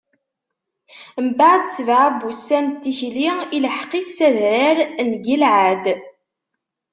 Mbeɛd sebɛa n wussan n tikli, ilḥeq-it s adrar n Gilɛad.